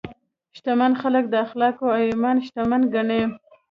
شتمن خلک د اخلاقو او ایمان شتمن ګڼي.